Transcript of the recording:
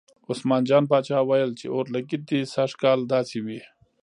عثمان جان پاچا ویل چې اورلګید دې سږ کال داسې وي.